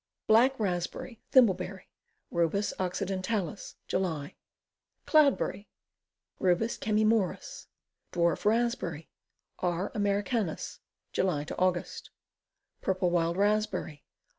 Black Raspberry. Thimble berry. Rubus occidentalis. July. Cloudberry. R. Chamaemorus. Dwarf Raspberry. R. Americanus. July Aug. Purple Wild Raspberry.